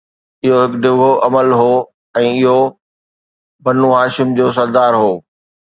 اهو هڪ ڊگهو عمل هو ۽ اهو بنو هاشم جو سردار هو